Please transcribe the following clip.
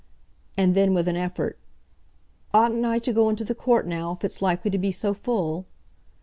And then, with an effort, "Oughtn't I to go into the court now, if it's likely to be so full?"